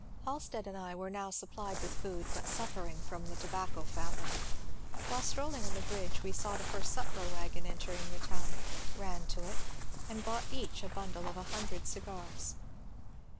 Halstead and I were now supplied with food but suffering from the tobacco famine. While strolling on the bridge we saw the first sutler wagon entering the town, ran to it, and bought each a bundle of a hundred cigars.